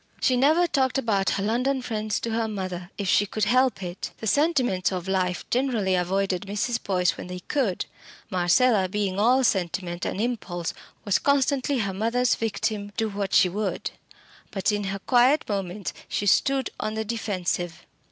She never talked about her London friends to her mother, if she could help it. The sentiments of life generally avoided Mrs. Boyce when they could. Marcella being all sentiment and impulse, was constantly her mother's victim, do what she would. But in her quiet moments she stood on the defensive.